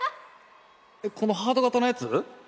えっこのハート型のやつ？